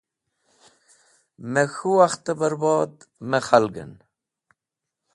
Me k̃hũ wakhtẽ bẽrbod me khalgẽn.